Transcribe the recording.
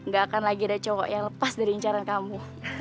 gak akan lagi ada cowok yang lepas dari incaran kamu